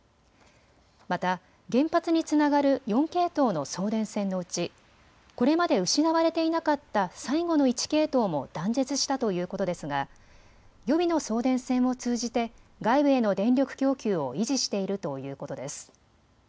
また原発につながる４系統の送電線のうちこれまで失われていなかった最後の１系統も断絶したということですが予備の送電線を通じて外部への電力供給を維持しているということです。